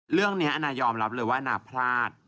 เรื่องนี้อันนายอมรับเลยว่าอันนาพลาด